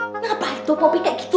kenapa itu kopi kayak gitu